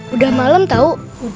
udah malem tau